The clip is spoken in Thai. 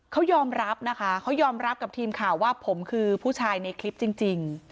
เขายอมรับนะคะเขายอมรับกับทีมข่าวว่าผมคือผู้ชายในคลิปจริง